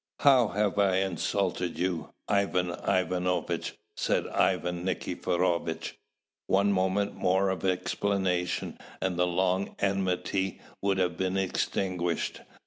"How have I insulted you, Ivan Ivanovitch?" said Ivan Nikiforovitch. One moment more of explanation, and the long enmity would have been extinguished.